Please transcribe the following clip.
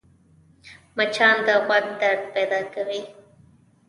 مچان د غوږ درد پیدا کوي